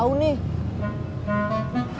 gak tau nih